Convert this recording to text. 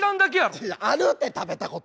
いやあるって食べたこと。